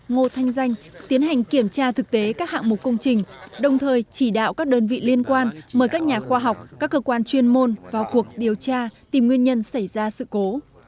ngô thanh danh tiến hành kiểm tra thực tế các hạng mục công trình đồng thời chỉ đạo các đơn vị liên quan mời các nhà khoa học các cơ quan chuyên môn vào cuộc điều tra tìm nguyên nhân xảy ra sự cố